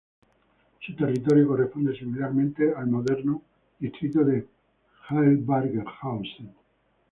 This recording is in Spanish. Su territorio corresponde similarmente al moderno distrito de Hildburghausen.